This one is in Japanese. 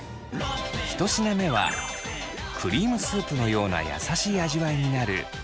１品目はクリームスープのような優しい味わいになるバニラアイス。